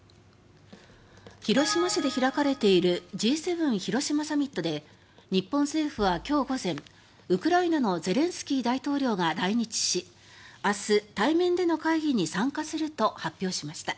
広島市で開かれているＧ７広島サミットで日本政府は今日午前ウクライナのゼレンスキー大統領が来日し明日、対面での会議に参加すると発表しました。